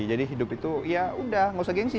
jadi hidup itu ya udah nggak usah gengsi